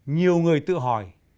nhiều người tự hỏi